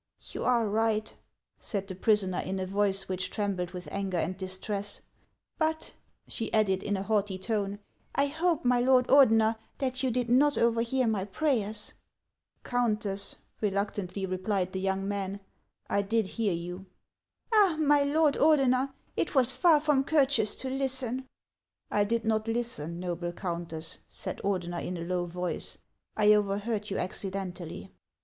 " You are right," said the prisoner, in a voice which trembled with anger and distress ;" but," she added, in a haughty tone, " I hope, my lord Ordener, that you did not overhear my prayers ?" "Countess," reluctantly replied the young man, "I did hear you." " Ah ! my lord Ordener, it was far from courteous to listen." " I did not listen, noble Countess," said Ordener in a low voice ;" I overheard you accidentally."